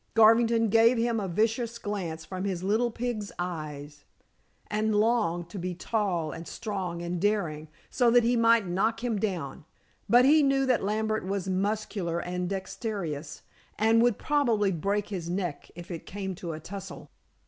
Garvington gave him a vicious glance from his little pig's eyes, and longed to be tall, and strong, and daring, so that he might knock him down. But he knew that Lambert was muscular and dexterous, and would probably break his neck if it came to a tussle.